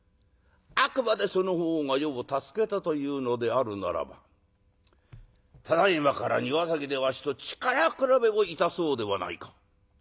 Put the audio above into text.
あくまでその方が余を助けたというのであるならばただいまから庭先でわしと力比べをいたそうではないか。